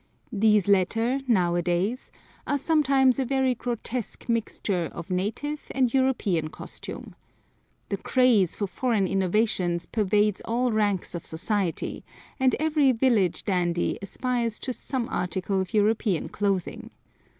These latter, nowadays, are sometimes a very grotesque mixture of native and European costume. The craze for foreign innovations pervades all ranks of society, and every village dandy aspires to some article of European clothing.